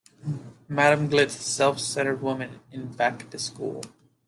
Madam Glitz A self-centred woman in "Back to School".